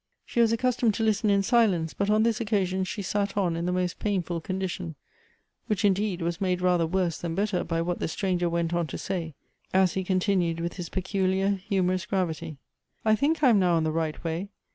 She was accustomed to listen in silence, but on this occasion she sat on in the most painful condition ; which, indeed, was made rather worse than better by what the stranger went on to say, as he continued with his ])eculiar, humorous gravity :" I think I am now on the right way.